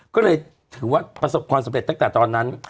ก็เลยถือว่าประสบความสำเร็จตั้งแต่ตอนนั้น